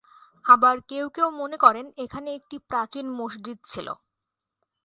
আবার কেউ কেউ মনে করেন, এখানে একটি প্রাচীন মসজিদ ছিল।